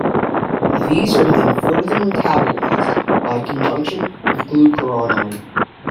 These are then further metabolized by conjugation with glucuronide.